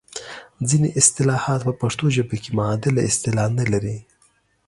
ځینې اصطلاحات په پښتو ژبه کې معادله اصطلاح نه لري.